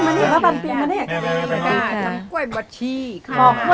มาทางนี้ค่ะ